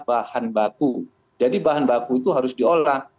bahan baku jadi bahan baku itu harus diolah